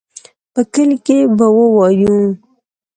په کلي کښې به ووايو.